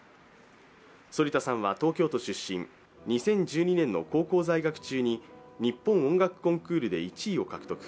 反田さんは東京都出身、２０１２年の高校在学中に日本音楽コンクールで１位を獲得。